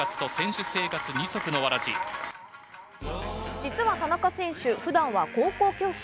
実は田中選手、普段は高校教師。